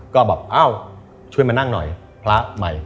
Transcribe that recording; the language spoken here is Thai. ก็บอกเอ้าช่วยมานั่งหน่อยพระใหม่